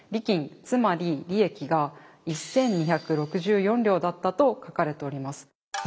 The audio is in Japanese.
つまり利益が１，２６４両だったと書かれております。